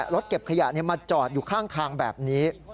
รถเก็บขยะมาจอดอยู่ข้างทางแบบนี้